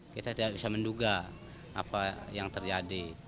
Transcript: kita tidak bisa menduga apa yang terjadi